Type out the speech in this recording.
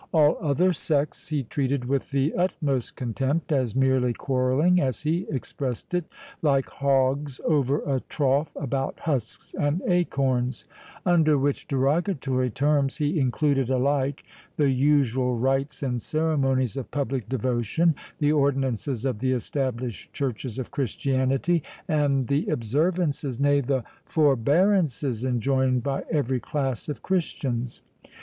All other sects he treated with the utmost contempt, as merely quarrelling, as he expressed it, like hogs over a trough about husks and acorns; under which derogatory terms, he included alike the usual rites and ceremonies of public devotion, the ordinances of the established churches of Christianity, and the observances, nay, the forbearances, enjoined by every class of Christians.